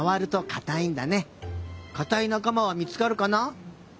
かたいなかまはみつかるかな？